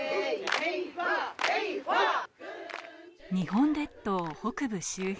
日本列島、北部周辺。